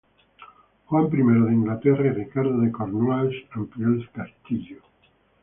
Juan I de Inglaterra y Ricardo de Cornualles amplió el castillo.